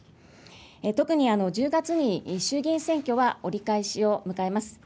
特に１０月に衆議院選挙は折り返しを迎えます。